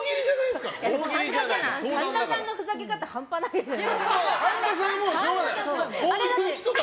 でも、神田さんのふざけ方半端なくないですか？